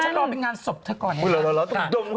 อ๋อจะรอมีงานศพไทยก่อนไงอ๋อรอต้องดม